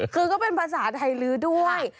คือก็เป็นภาษาไทยลื้อด้วย